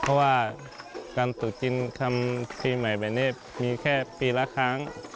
เพราะว่าการตรวจกินทำปีใหม่แบบนี้มีแค่ปีละครั้ง